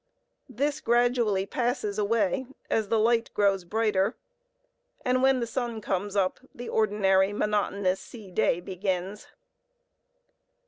This gradually passes away as the light grows brighter, and when the sun comes up, the ordinary monotonous sea day begins.